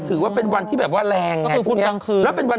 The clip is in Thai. คือพรุ่งนี้วันพุธพอดี